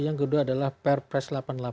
yang kedua adalah perpres delapan puluh delapan